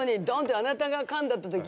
「あなたがかんだ」ってとき。